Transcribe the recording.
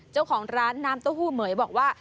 เจ้าของร้านน้ำเต้าหู้เหมือยบอกว่า